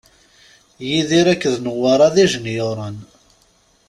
Yidir akked Newwara d ijenyuren.